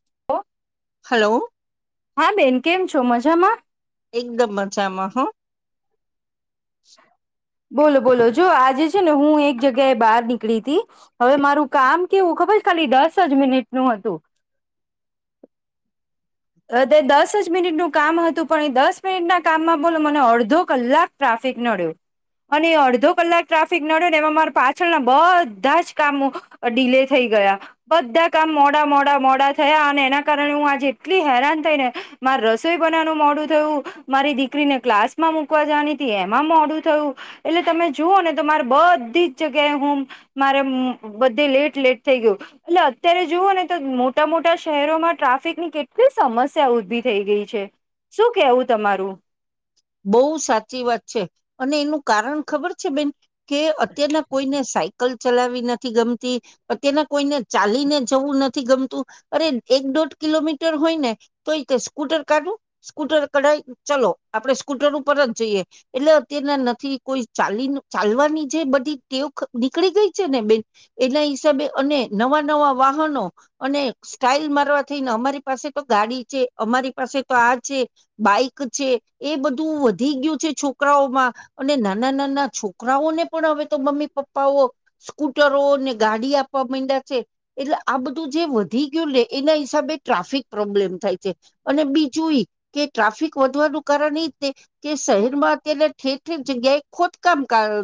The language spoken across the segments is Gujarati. [inaudible] હલો. હા બેન, કેમ છો મજામાં? એકદમ મજામાં હા બોલો બોલો. જો આજે છે ને હું એક જગ્યાએ બહાર નીકળી હતી. હવે મારું કામ કેવું ખબર છે. ખાલી દસ જ મિનિટનું હતું. ધ દસ જ મિનિટનું કામ હતું. પણ એ દસ મિનિટના કામમાં બોલો મને અડધો કલાક ટ્રાફિક નડ્યો. અને એ અડધો કલાક ટ્રાફિક નડ્યોને એમાં મારા પાછળના બધા જ કામો ડીલે થઈ ગયા. બધા કામ મોડા મોડા મોડા થયા. અને એના કારણે હું આજે હેરા થને મારે રસોઈ બનાવાનું મોડું થયું. મારી દીકરીને ક્લાસ માં મુૂકવા જવાની હતી એમાં મોડું થયું. એટલે તમે જુઓ ને તો મારે બધી જ જગ્યાએ હું મારે બધે લેટ લેટ થઈ ગયું. એટલે અત્યારે જુવઓ ને તો મોટા મોટા શહેરોમાં ટ્રાફિકની કેટલી. તો સમસ્યા ઉભી થઈ ગઈ છે શું કેવું તમારું બોહ સાચી વાત છે અને એનું કારણ ખબર છે બેન કે અત્યારના કોઈને સાઈ કલ ચલાવી નથી ગમતી તેના કોઈને ચાલીને જવું નથી ગમતું અરે એક દોઢ કિલોમીટર હોય ને તો એ સ્કૂટર કાઢું સ્કૂટર કઢાય ચલો આપણે સ્કૂટર ઉપર જ જઈએ એટલે અત્યના નથી કોઈ ચાલી ચાલવાની જે બધી ટેવ નીકળી ગઈ છે ને બેન એના હિસાબે અને નવા નવા વાહનો અને સ્ટઇલ મારવા થઈને અમારી પાસે તો ગાડી છે અમારી પાસે તો આ છે બાઈક છે એ બધું વધી ગયું છે છોકરાઓમાં અને નાના નાના છોકરાઓને પણ હવે તો મમ્મી પપ્પાઓ સ્કૂટરોને ગાડી આપવા માંડ્યા છે એટલે આ બધું જે વધી ગયું ને એના હિસાબે ટ્રાફિક પ્રોબ્લેમ થાય છે અને બીજું કે ટ્રાફિક વધવાનું કરણ ઈજ તે કે શહેર માં અત્યારે ઠેર ઠેર જગ્યાએ ખુદ કામ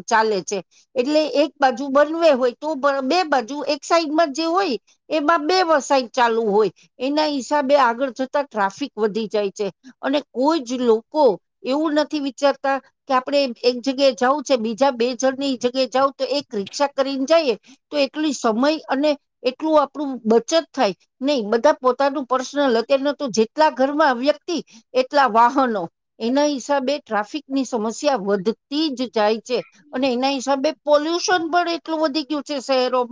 ચાલે છે એટલે એક બાજુ જુ બનવે હોય તો બે બાજુ એક સાઈડ માં જે હોય એમાં બે સાઈડ ચાલુ હોય એના હિસાબે આગળ જતા ટ્રાફિક વધી જાય છે અને કોઈ લોકો એવું નથી. વિચારતા કે આપણે એક જગ્યાએ જઉં છે બીજા બે જણ ની જગ્યા જઉ તો એક રિક્ષા કરીને જઈએ તો એટલી સમય અને એટલું આપણું બચત થાય નહી બધા પોતાનું પર્સનલ અત્ય્યારે ન તો જેટલા ઘરમાં વ્યક્તિ એટલા વાહ. એના હિસાબે ટ્રાફિક ની સમસ્યા વધતી જ જાય છે અને એના હિસાબે પોલ્યુશન પણ એટલું વધી ગયું છે શહેરો.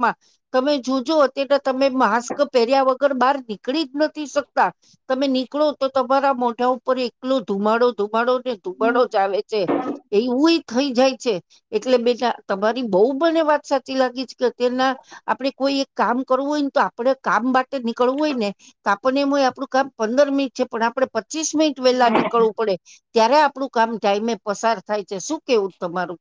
તમે જોજોતટ તમે માસ્ક પહેર્યા વગર. ર બહાર નીકળી જ નથી શકતા તમે નીકળો તો તમારા મોઢા ઉપર એક નું ધુમાડો ધુમાડો દુબડો ચ આવે. એવુંય થઈ જાય છે એટલે બેટા તમારી બહુ બને વાત સાચી લાગી છે કે અત્યારના આપડે કોઈ એક કામ કરવું હોય ને તો આપડ કામ માટે નીકળવું હોય ને તો આપણને એમ હોય આપડું કામ પંદર મિનિટ છે પણ આપડે પચીસ મિનટ વેલા નીકળવું પડે. ત્યારે આપણું કામ ટાઈમે પસાર થાય છે શું કેવું તમારું?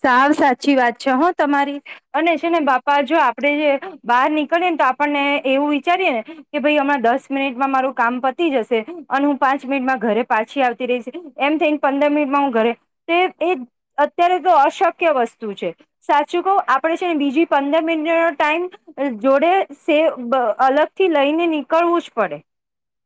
સાવ સાચી વાત છે હ તમારી અને છે ને બાપા જો આપડે જે બહાર નીકળીએ ને તો આપણને એવું વિચારીએ ને કે ભાઈ હમણાં દસ મિનિટમાં મારું કામ પતી જશે અને હું પાંચ મિનિટમાં ઘરે પાછી આવતી રહીશ એમ થઈને પંદર મિનિટમાં હું ઘરે એ અત્યારે તો. અ શક્ય વસ્તુ છે સાચું કહ આપડે છે ને બીજી પંદર મિનટનો ટાઈમ જોડે સે અલગ થી લઈને નીકળવું જ પડે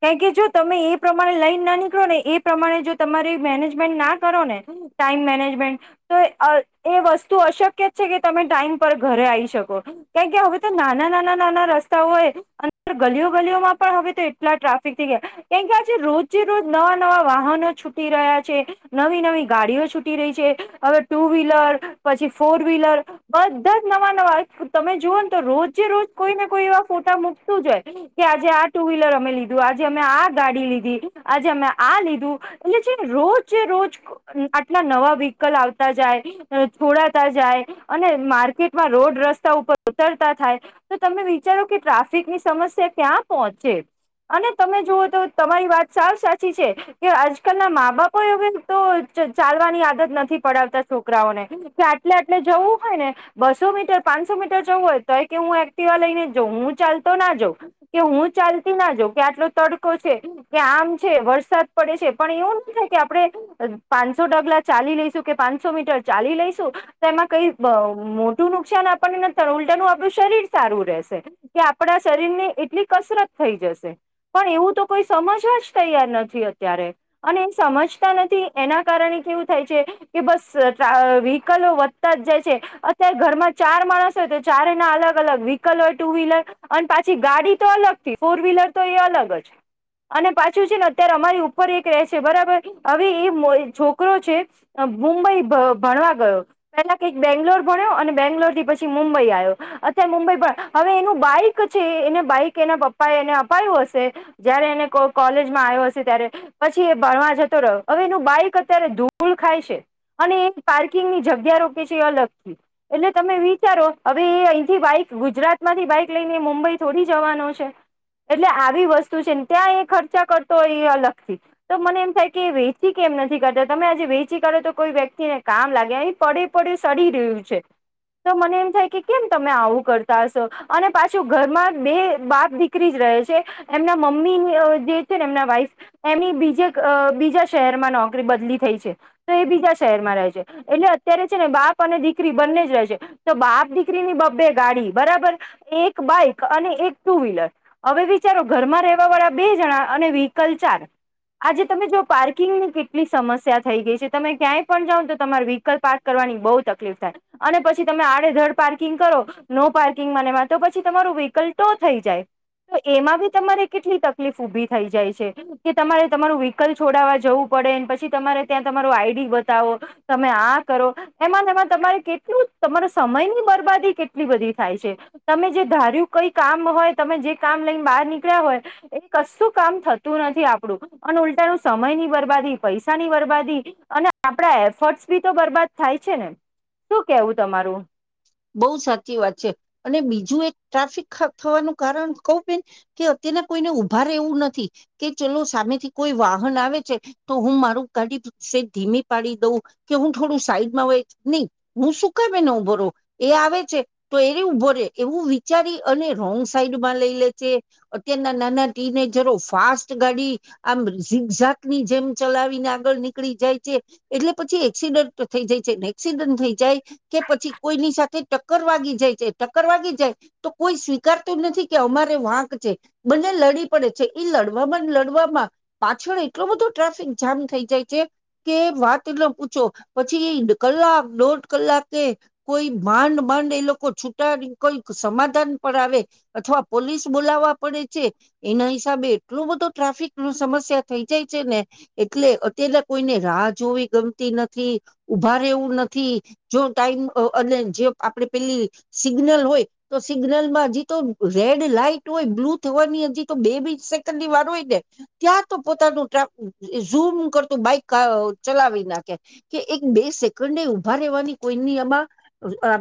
કારણ કે જો તમે એ પ્રમાણે લઈને ના નીકળો ને એ પ્રમાણે જો તમારી મેનેજમેન્ટ ના કરો ને ટાઈમ મેનેજમેન્ટ તો એ વસ્તુ અશક્ય છે કે તમે ટાઈમ પર ઘરે આવી શકો કેમ કે હવે તો નાના નાના નાના રસ્તાઓય અ ગલીઓ ગલીઓમાં પણ હવે તો એટલા ટ્રાફિક થથી ગયા કેમ કે આજે રોજ રોજ નવા નવા વાહનો છૂટી રહ્યા છે નવી નવી ગાડીઓ છૂટી રહી છે હવે. ટુ વ્હીલર પછી ફોર વ્હીલર બધા જ નવા નવા તમે જુઓ ને તો રોજે રોજ કોઈને કોઈ એવા ફોટા મૂકતું જ કે આજે આ ટુ વ્હીલર અમે લીધું આજે અમે આ ગાડી લીધી આજે અમે આ લીધું એટલે જે રોજ રોજ આટલા નવા વ્હકલ આવતા. છોડાતા જાય અને માર્કેટમાં રોડ રસ્તા ઉપર ઉતરતા થાય તો તમે વિચારો કે ટ્રાફિક ની સમસ્યા ક્યાં પહોંચે અને તમે જુવઓ તો તમારી વાત સાવ સાચી છે કે આજકાલના મા બાપો તો ચાલવાની આદત નથી. પડાવતા છોકરાઓને કે આટલે આટલે જવું હોય ને બસો મીટર પાંચસો મીટર જવું હોય તો કે હું એક્ટિવા લઈને જાઉં હું ચાલતો ના જાઉં કે હું ચાલતી ના જાઉં કે આટલો તડકો છે કે આમ છે વરસાદ પડે છે પણ એવું ના થાય કે આપડણે પાંચસો ડગલા ચાલી લઈશું. કે પાંચસો મીટર ચાલી લઈશું તો એમાં કઈ મોટું નુકસાન આપણને નથી ઉલટાનું આપણું શરીર સારું રહેશે કે આપણા શરીર ને એટલી કસરત થઈ જશે પણ એવું તો કોઈ સમજવા જ તૈયાર નથી અત્યારે અને એ સમજતા નથી એના કારણે કેવું થાય છે. કે બસ વ્હીકલો વધતા જ જાય છે અત્યારે ઘરમાં ચાર માણસ હોય તો ચાર એના અલગ અલગ વ્હીકલ હોય ટુ વ્હીલર અને પાછી ગાડી તો અલગ થી ફોર વ્હીલર તો એ અલગ જ અને પાછું છે ને અત્યારે અમારી ઉપર એક રહે છે બરાબર હવે એ છોકરો છે. મુંબઈ ભણવા ગયો પેલા કઈક બેંગ્લોર ભણ્યો અને બેંગ્લોર થી પછી મુંબઈ આવ્યો અત્યારે મુંબઈ હવે એનું બાઈક છે એને બાઈક એના પપ્પા એ એને અપાયું હશે જયારે એને કોલેજમાં આવ્યો હશે ત્યારે પછી એ ભણવા જતો રહ્યો હવે એનું બાઈક અત્યારે ધૂળ પાર્કિંગ ની જગ્યા રોકે છે એ અલગ થી એટલે તમે વિચારો હવે એ અહીથી બાઈક ગુજરાત માંથી બાઈક લઈને મુંબઈ થોડી જવાનો છે એટલે આવી વસ્તુ છેને ત્યાં એ ખર્ચા કરતો હોય એ અલગથી તો મને એમ થાય કે વેચી કેમ નથી કરતા તમે આજે ી તો કોઈ વ્યક્તિને કામ લાગે એ પડે પડે સડી રહ્યું છે તો મને એમ થાય કે કેમ તમે આવું કરતા હશો અને પાછું ઘરમાં બે બાપ દીકરી જ રહે છે એમના મમ્મી જે છે ને એમના વાઈફ એમની બીજે બીજા શહેરમાં નોકરી બદલી થઈ છે. તો એ બીજા શહેરમાં રહે છે એટલે અત્યારે છે ને બાપ અને દીકરી બંને જ રહે છે તો બાપ દીકરીની બબ્બે ગાડી બરાબર એક બાઈક અને એક ટુ વ્હીલર હવે વિચારો ઘરમાં રહેવા વાળા બે જણા અને વ્હીકલ ચાર આજે તમે જો પાર્કિંગની કેટલી સમસ્યા થઈ ગઈ છે. તમે ક્યાંય પણ જાાવ તો તમારે વ્હીકલ પાર્ક કરવાની બહુ તકલીફ થાય અને પછી તમે આડેધડ પાર્કિંગ કરો નો પાર્કિંગ મનેમાં તો પછી તમારું વ્હીકલ તો થઈ જાય તો એમાં બી તમારે કેટલી તકલીફ ઉઊભી થઈ જાય છે કે તમારે તમારું વ્હીકલ છોડાવવા જવું પડે પછી તમારે ત્યાં તમા આઈડી બતાવો તમે આ કરો એમાં એમાં તમારે કેટલું તમારા સમય ની બરબાદી કેટલી બધી થાય છે તમે જે ધાર્યું કઈ કામ હોય તમે જે કામ લઈને બહાર નીકળ્યા હોય એ કશું કામ થતું નથી આપડું અને ઉલટાણું સમય ની બરબાદી પૈસા ની બરબાદી અને આપડા એફર્ટસ બી તો બરબાદ થાય છે ને શું કેવું તમારું. બહુ સાચી વાત છે અને બીજું એક ટ્રાફિક થવાનું કારણ કઉ બેન કે અત્યારના કોઈને ઉઊભા એવું નથી કે ચલો સામેથી કોઈ વાહન આવે છે તો હું મારું ગાડી ધીમી પાડી દઉં કે હું થોડું સાઈડમાં હોય નહી હું સુકાય બે ન ઉભરો એ આવે છે તો એ ઉ ભરે એવું વિચારી અને રોંગ સાઈડમાં લઈ લે છે અત્યારના નાના ટીનેજરો ફાસ્ટ ગાડી આમ ઝીક ઝાકની જેમ ચલાવીને આગળ નીકળી જાય છે એટલે પછી એક્સિડન્ટ તો થઈ જાય છે એક્સિડન્ટ થઈ જાય કે પછી કોઈની સાથે ટકર વાગી જાય છે ટક્કર વાગી જાય તો કોઈ સ્વીકારતું નથી કે અમારે વાંક છે બંને લડી પડે છે એ લડવામાં લડવામાં પાછળ એટલો બધો ટ્રાફિક જામ થઈ જાય છે કે વાત એટલે પૂછો પછી એ કલાક દોઢ કલાકે કોઈ માંડ માંડ એ લોકો છૂટા કઈક સમાધાન પર આવે અથવા પોલીસ બોલાવા પડે છે. એના હિસાબે એટલું બધું ટ્રાફિક નું સમસ્યા થઈ જાય છે ને. એટલે અત્યારે કોઈને રાહ જોવી ગમતી નથી ઉભા રહેવું નથી જો ટાઈમ અને જે આપે પેલી સિગ્નલ હોય તો સિગ્નલ માં હજી તો રેડ લાઈટ હોય બ્લુ થવાની હજી તો બે બે સેકન્ડની વાર હોય ને ત્યાં તો પોતાનું ઝૂમ કરતું બાઈક ચલાવી નાખે કે એક બે સેકન્ડ એ ઉઊભા રહેવાની કોઈની આમાં આ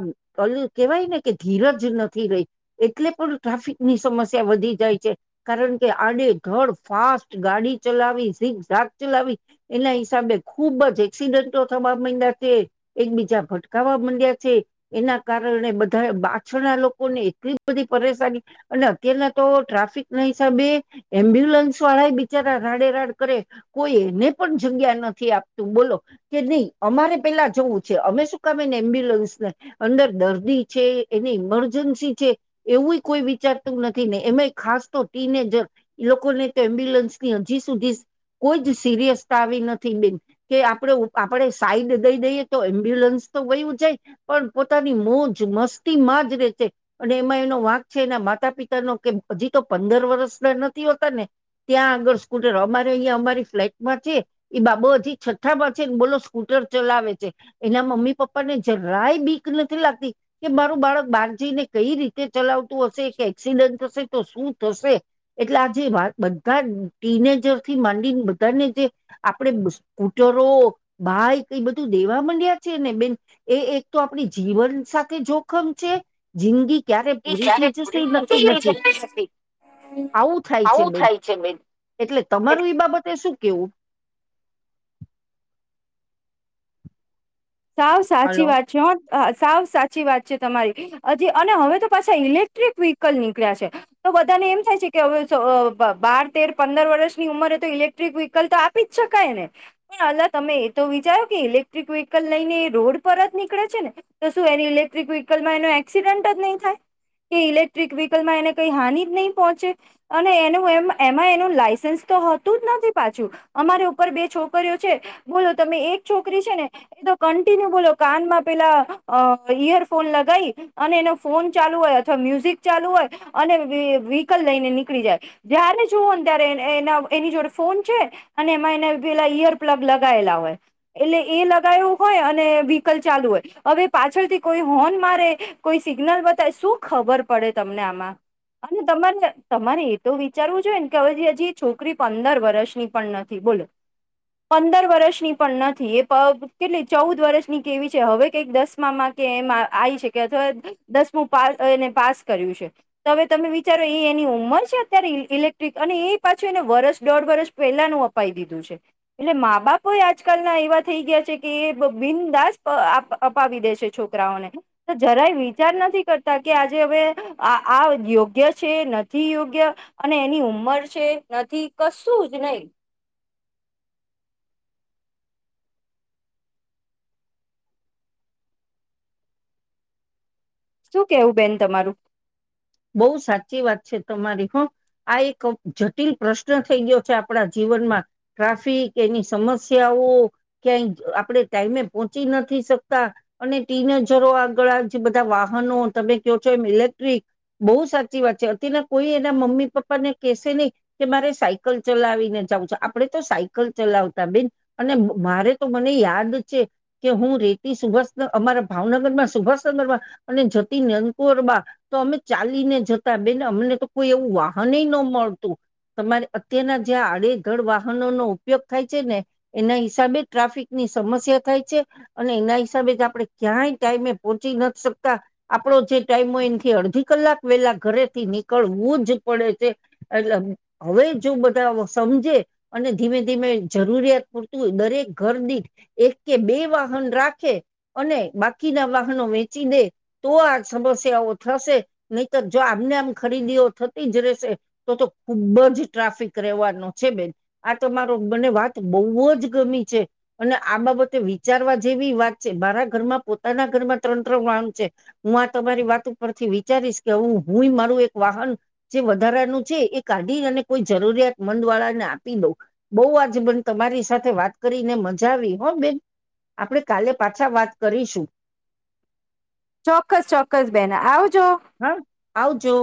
કેવાય ને કે ધીરજ નથી રહી એટલે પણ ટ્રાફિક ની સમસ્યા વધી જાય છે કારણ કે આડે ઘડ ફાસ્ટ ગાડી ચલાવી ઝીક ઝાક ચલાવી એના હિસાબે ખુબ જ એક્સિડન્ટો થવા માંડ્યા છે એકબીજા ભટકાાવવા માંડ્યા. એના કારણે બધા પાછળના લોકોને એટલી બધી પરેશાની અને અત્યારના તો ટ્રાફિક ના હિસાબે એમ્બ્યુલન્સ વાળા બિચારા રાડે રાડ કરે કોઈ એને પણ જગ્યા નથી આપતું બોલો કે નહી અમારે પેલા જવું છે અમે શું કમે ને એમ્બ્યુલન્સ અંદર દર્દી છે એની ઈમરજન્સી છે એવું કોઈ વિચારતું નથી ને એમાં ખાસ તો ટીનેજર એ લોકોને તો એમ્બ્યુલન્સ ની હજી સુધી કોઈ જ સિરિયસતા આવી નથી બેન કે આપણે આપણે સાઈડ દઈ દઈએ તો એમ્બ્યુલન્સ તો વય જાય. પણ પોતાની મોજ મસ્તી માં જ રે છે અને એમાં એનો વાંક છે એના માતા પિતા ન કે હજી તો પંદર વર્સ ના નથી હોતા ને ત્યાં આગળ સ્કૂટર અમારે અહીંયા અમારી ફ્લેટમાં છે એ બાબા હજી છઠ્ઠા માં છેને બોલો સ્કૂટર ચલાવે છે એના મમ્મી પપ્પા ને જ રાય બીક નથી લાગતી કે મારું બાળક બહાર જઈને કઈ રીતે ચલાવતું હશે એક એક્સિડન્ટ હશે. તો શું થશે એટલે આજે બધા ટીનેજર થી માંડીને બધાને જે આપડે સ્કૂટરો બાાઈક એ બધું દેવા માંડ્યા છે ને બેન. એ એક તો આપણી જીવન સાથે જોખમ છે જિંદગી ક્યારે પૂરી થઈ જશે એ નક્કી આવું નથી આવું થાય છે બેન થાય છે બેન એટલે તમારું એ બાબતે શું કેવું? સાવ સાચી હલો વાત છે. હા સાવ સાચી વાત છે તમારી હજી અને હવે તો પાછા ઇલેક્ટ્રિક વ્હીકલ નીકળ્યા છે તો બધાને એમ થાય છે કે હવે બાર તેર પંદર વર્ષની ઉંમરે તો ઇલેક્ટ્રિક વ્હીકલ તો આપી જ શકાય ને પણ અલા તમે એ તો વિચારો કે ઇલેક્ટ્રિક વ્હીક લને રોડ પર જ નીકળે છે ને તો શું એની ઇલેક્ટ્રિક વ્હીકલમાં એનો એક્સિડન્ટ જ નહી થાય કે ઇલેક્ટ્રિક વ્હીકલમાં એને કઈ હાન જ નહી પહોંચે અને એનું એમાં એનું લાયસન્સ હોતું જ નથી પાછું અમારી ઉપર બે છોકરીઓ છે બોલો તમે એક છોકરી છે ને એ તો કન્ટિન્યુ બોલો કાનમાં પેલા અ ઈયરફોન લગાવી અને એનો ફોન ચાલુ હોય અથવા મ્યુઝિક ચાલુ હોય અને વ્હીકલ લઈને નીકળી જાય જારે જુવઓ ને ત્યારે એના એની જોડે ફોન છે અને એમાં એને પેલા ઈયર પ્લગ લગાયેલા હોય એટલે એ હોય અને વ્હીકલ ચાલુ હોય હવે પાછળથી કોઈ હોર્ન મારે કોઈ સિગ્નલ બતાય શું ખબર પડે તમને આમાં અને તમારે તમારે એ તો વિચારવું જોઈએ ને કે હવે હજી છોકરી પંદર વર્ષની પણ નથી બોલો પંદર વર્ષની પણ નથી એ કેટલી ચૌદ વર્ષની કેવી છે હવે કઈક દસમામાં કે એમાં આવી છે કે અથવા દસમું પા એને પાસ કર્યું છે તો હવે તમે વિચારો એ એની ઉંમર છે અત્યારે ઇલેક્ટ્રિક અને એ પાછું એને વર્સ દોઢ વર્ષ પહેલાનું અપાવી દીધું છે એટલે મા બાપો આજકાલના એવા થઈ ગયા છે કે બિનદાસ અપાવી દે છે છોકરાઓને તો જરાય વિચાર નથી કરતા કે આજે હવે આ યોગ્ય છે નથી યોગ્ય અને એની ઉંમર છે નથી કશું જ નહી શું કેવું બેન તમારું બહુ સાચી વાત છે તમારી હ આ એક જટિલ પ્રશ્ન થઈ ગયો છે આપણા જીવનમાં ટ્રાફિક એની સમસ્યાઓ ક્યાય આપણે ટાઈમે પહોંચી નથી શકતા અને ટીનેજરો આગળ જે બધા વાહનો તમે કહો છો એમ ઇલેક્ટ્રિક બહુ સાચી વાત છે અતારના કોઈ એના મમ્મી પપ્પા ને કહેશે નહી કે મારે સાયકલ ચલાવીને જવું છે આપડે તો સાયકલ ચલાવતા બેન અને મારે તો મને યાદ છે કે હું રેતી સુભાષ અમારા ભાવનગર માં સુભાષનંદ્ર અને જતી નંદકુર બા તો અમે ચાલીને જતા બેન અમને તો કોઈ એવું વાહનય નો મળતું તમારે અત્યારના જ્યાં આડેધડ વાહનો નો ઉપયોગ થાય છે ને એના હિસાબે ટ્રાફિકની સમસ્યા થાય છે અને એના હિસાબે જ આપણે ક્યાંય ટાઈમે પોહોચી નથી શકતા આપણો જે ટાઈમ હોય એથી અડધી કલાક વહેલા ઘરેથી નીકળવું જ પડે છે એટલે હવે જો બધા સમજે અને ધીમે ધીમે જરૂરિયાત પૂરતું દરેક ઘરની એક કે બે વાહન રાખે અને બાકીના વાહનો વેચી દે તો આ સમસ્યાઓ થશે નહી તોર જો આમને આમ ખરીદીઓ થતી જ રહેશે તો તો ખુબ જ ટ્રાફિક રહેવાનો છે બેન આ તમારો મને વાત બહુ જ ગમી છે અને આ બાબતે વિચારવા જેવી વાત છે મારા ઘર માં પોતાના ઘરમાં ત્રણ ત્રણ વાણ છે હું આ તમારી વાત ઉપરથી વિચારીશ કે હું હું મારું એક વાહન જે વધારાનું છે એ કાઢી અને કોઈ જરૂરિયાત મંદ વાળાને આપી દઉં બહ આજે બેન તમારી સાથે વાત કરીને મજા આવી હો બેન આપણે કાલે પાછા વાત કરીશું ચોક્કસ ચોક્કસ બેન આવ હા આવજો